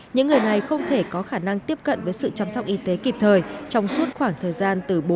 những người này không thể có khả năng tiếp cận với sự chăm sóc y tế kịp thời trong suốt khoảng thời gian từ bốn đến sáu tháng